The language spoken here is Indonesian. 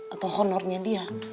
atau honornya dia